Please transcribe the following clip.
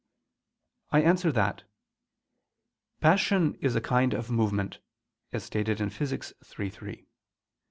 I answer that, Passion is a kind of movement, as stated in Phys. iii, 3.